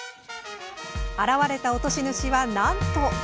現れた落とし主は、なんと。